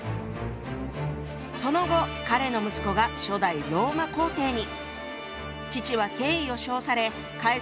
その後彼の息子が初代ローマ皇帝に。